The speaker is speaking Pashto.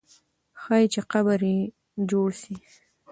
ښایي چې قبر یې جوړ سي.